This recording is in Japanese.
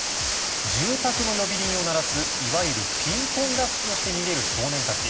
住宅の呼び鈴を鳴らすいわゆるピンポンダッシュをして逃げる少年たち。